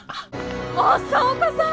朝岡さん！